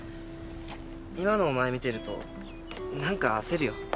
今のお前見てると何か焦るよ。